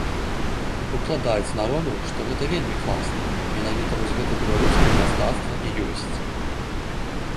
Укладаюць народу, што гэта вельмі класна, менавіта вось гэта беларускае мастацтва і ёсць.